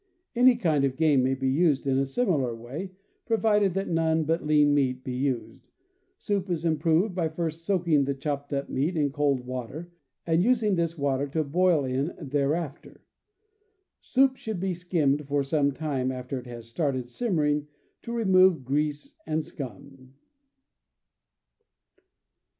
Any kind of game may be used in a similar way, provided that none but lean meat be used. Soup is improved by first soaking the chopped up meat in cold water, and using this water to boil in thereafter. Soup should be skimmed for some time after it has started simmering, to remove grease and scum.